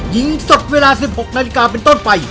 สดเวลา๑๖นาฬิกาเป็นต้นไป